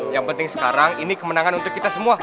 yang penting sekarang ini kemenangan untuk kita semua